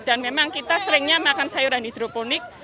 dan memang kita seringnya makan sayuran hidroponik